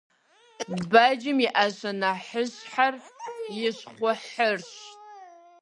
Бэджым и Iэщэ нэхъыщхьэр и щхъухьырщ.